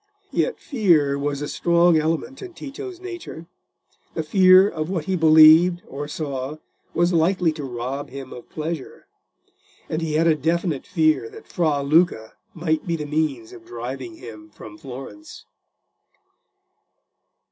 Yet fear was a strong element in Tito's nature—the fear of what he believed or saw was likely to rob him of pleasure: and he had a definite fear that Fra Luca might be the means of driving him from Florence.